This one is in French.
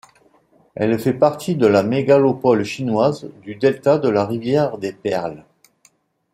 Elle fait partie de la mégalopole chinoise du delta de la Rivière des Perles.